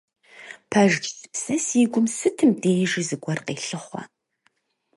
Пэжщ, сэ си гум сытым дежи зыгуэр къелъыхъуэ!